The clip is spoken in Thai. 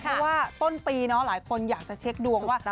เพราะว่าต้นปีเนาะหลายคนอยากจะเช็คดวงว่า